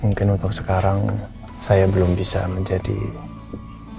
mungkin untuk sekarang saya belum bisa menjadi suami yang baik